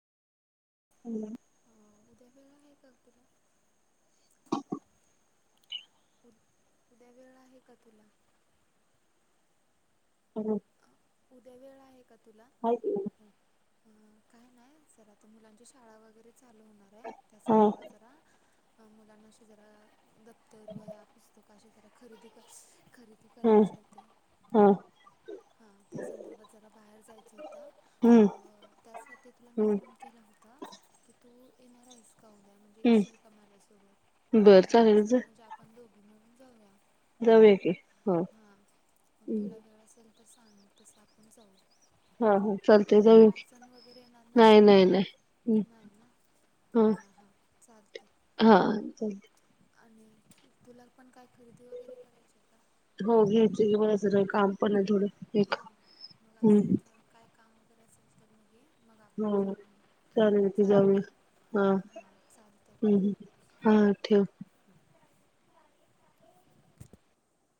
हम्म. अं, उद्या वेळ आहे का तुला? उद उद्या वेळ आहे का तुला? हॅलो? अं, उद्या वेळ आहे का तुला? अ काय नाही जरा आता मुलांची शाळा वगैरे चालू होणार आहे. त्या हा संदर्भात जरा मुलानशी जरा दप्तर, वह्या, पुस्तकं अशी जरा खरेदी क खरेदी हम्म करायची होते. त्या संदर्भात जरा बाहेर जायचं होतं. हम्म मग त्यासाठी तुला मी हम्म फोन केला होता की तु क उद्या म्हणजे येशील का माझ्यासोबत? बरं मग चालेल आलीस जा तर म्हणजे आपण दोघी मिळून जाऊया. जाऊया की हो हां मग हम्म. तुला वेळ असेल तर सांग तसं आपण जाऊ. हा हो चालतय तुला जाऊया काय की, अडचण वगैरे येणार ना नाही नाही नाही नाही ना ह हां हां चालतं ह चालतय. आणि तुला पण काय खरेदी वगैरे करायची आहे का हो घ्यायचय, मला जरा काम पण हाय थोड. हा. मग आसल काय? काम वगैरे असेल तर मुलीच ह चालेल जाऊया हा हां चालतं ठेवू हम्म्म मग हा ठेव [unintelligible]